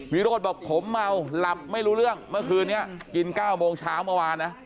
วิโรธบอกผมเมาหลับไม่รู้เรื่องเมื่อคืนนี้กิน๙โมงเช้าเมื่อวานนะ